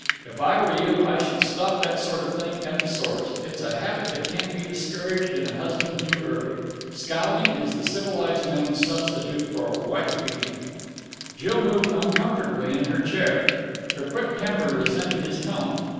"If I were you I should stop that sort of thing at the source. It's a habit that can't be discouraged in a husband too early. Scowling is the civilized man's substitute for wife beating." Jill moved uncomfortably in her chair. Her quick temper resented his tone.